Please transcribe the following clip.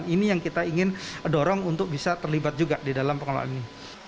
dan ini yang kita ingin dorong untuk bisa terlibat juga di dalam pengelolaan ini